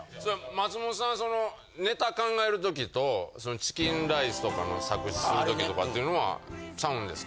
松本さんそのネタ考える時と『チキンライス』とかの作詞する時とかっていうのはちゃうんですか？